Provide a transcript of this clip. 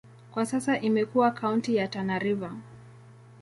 Kwa sasa imekuwa kaunti ya Tana River.